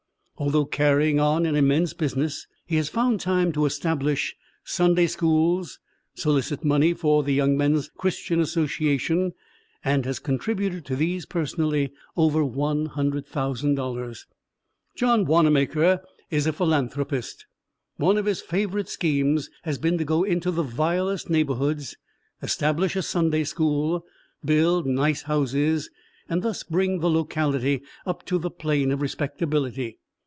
Although carrying on an immense business he has found time to establish Sunday Schools, solicit money for the Young Men's Christian Association, and has contributed to these personally, over $100,000. John Wannamaker is a philanthropist. One of his favorite schemes has been to go into the vilest neighborhoods, establish a Sunday School, build nice houses, and thus bring the locality up to the plane of respectability.